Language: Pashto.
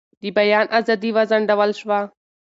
د بیان ازادي وځنډول شوه.